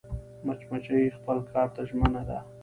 مچمچۍ خپل کار ته ژمنه ده